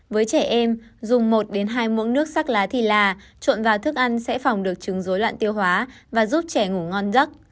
với trẻ em dùng một hai mẫu nước sắc lá thì là trộn vào thức ăn sẽ phòng được chứng dối loạn tiêu hóa và giúp trẻ ngủ ngon giấc